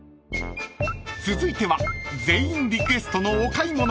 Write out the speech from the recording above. ［続いては全員リクエストのお買い物］